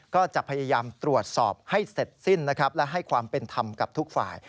ก็จะพยายามตรวจสอบให้เสร็จสิ้นนะครับและให้ความเป็นธรรมกับทุกฝ่าย